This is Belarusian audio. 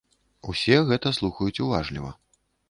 Усе гэта слухаюць уважліва.